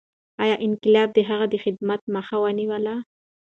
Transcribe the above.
ایا انقلاب د هغه د خدمت مخه ونیوله؟